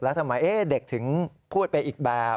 แล้วทำไมเด็กถึงพูดไปอีกแบบ